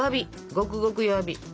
ごくごく弱火。